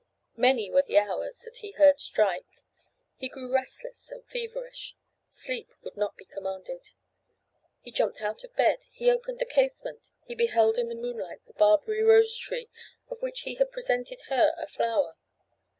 Many were the hours that he heard strike; he grew restless and feverish. Sleep would not be commanded; he jumped out of bed, he opened the casement, he beheld in the moonlight the Barbary rose tree of which he had presented her a flower.